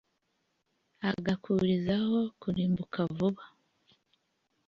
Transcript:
agakurizaho kurimbuka vuba